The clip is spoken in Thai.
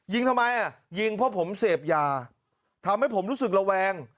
ทำไมอ่ะยิงเพราะผมเสพยาทำให้ผมรู้สึกระแวง